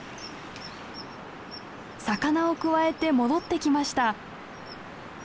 魚をくわえて戻ってきました。